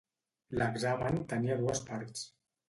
L'examen tenia dues parts.